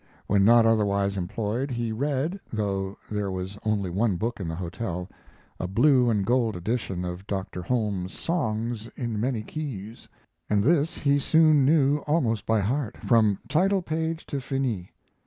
When not otherwise employed he read; though there was only one book in the hotel, a "blue and gold" edition of Dr. Holmes's Songs in Many Keys, and this he soon knew almost by heart, from title page to finis.